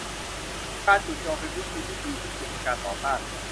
การจู่โจมเป็นวิธีที่ดีที่สุดในการต่อต้าน